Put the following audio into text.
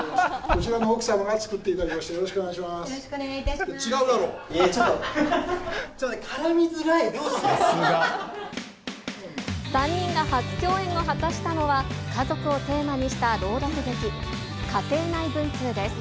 ちょっと、３人が初共演を果たしたのは、家族をテーマにした朗読劇、家庭内文通です。